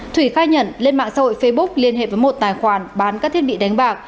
thủy khai nhận lên mạng xã hội facebook liên hệ với một tài khoản bán các thiết bị đánh bạc